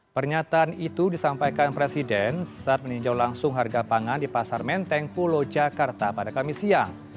pernyataan itu disampaikan presiden saat meninjau langsung harga pangan di pasar menteng pulo jakarta pada kamis siang